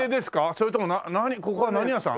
それとも何ここは何屋さん？